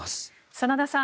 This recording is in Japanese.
真田さん